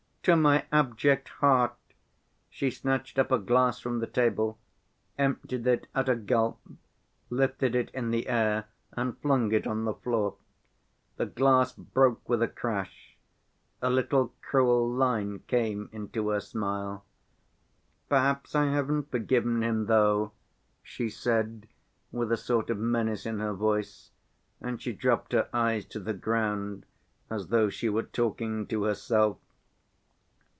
To my abject heart!" She snatched up a glass from the table, emptied it at a gulp, lifted it in the air and flung it on the floor. The glass broke with a crash. A little cruel line came into her smile. "Perhaps I haven't forgiven him, though," she said, with a sort of menace in her voice, and she dropped her eyes to the ground as though she were talking to herself.